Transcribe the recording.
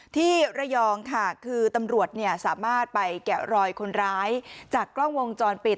ที่ระยองค่ะคือตำรวจสามารถไปแกะรอยคนร้ายจากกล้องวงจรปิด